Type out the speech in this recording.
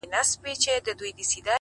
ښه ملګرتیا ژوند ښکلی کوي